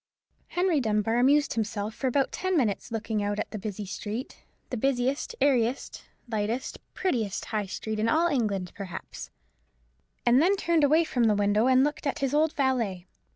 Henry Dunbar amused himself for about ten minutes looking out at the busy street—the brightest, airiest, lightest, prettiest High Street in all England, perhaps; and then turned away from the window and looked at his old valet.